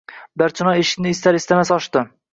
Barchinoy eshikni istar-istamas ochdi.